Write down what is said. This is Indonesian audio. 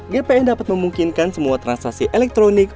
gpn dapat memungkinkan semua transaksi elektronik